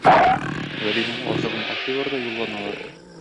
Вәлинең азыгын ашыйлар да юлланалар.